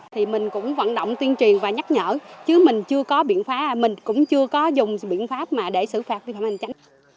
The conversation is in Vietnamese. thì mình cũng vận động tuyên truyền và nhắc nhở chứ mình chưa có biện pháp mình cũng chưa có dùng biện pháp mà để xử phạt vi phạm hành tránh